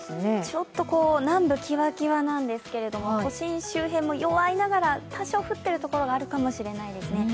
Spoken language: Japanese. ちょっと、南部、きわきわなんですけども都心周辺も弱いながら多少、降ってる所あるかもしれないですね。